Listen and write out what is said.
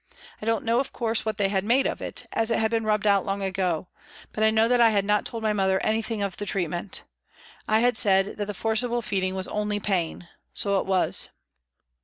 I don't know, of course, what they had made of it, as it had been rubbed out long ago, but I know that I had not told my mother anything of the treatment. I had said that the forcible feeding was " only pain " so it was.